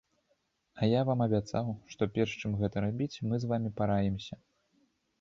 А я вам абяцаў, што, перш чым гэта рабіць, мы з вамі параімся.